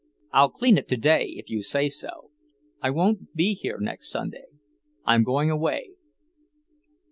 "I'll clean it today, if you say so. I won't be here next Sunday. I'm going away."